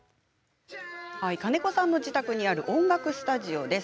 金子さんの自宅にある音楽スタジオ。